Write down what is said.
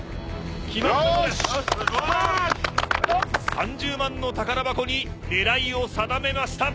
３０万の宝箱に狙いを定めました。